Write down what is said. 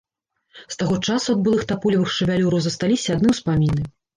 З таго часу ад былых таполевых шавялюраў засталіся адны ўспаміны.